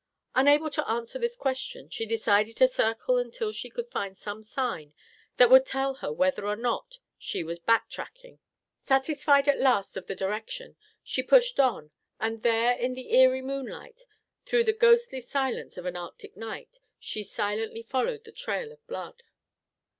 Unable to answer this question, she decided to circle until she could find some sign that would tell her whether or not she was back tracking. Satisfied at last of the direction, she pushed on, and there in the eerie moonlight, through the ghostly silence of an Arctic night, she silently followed the trail of blood.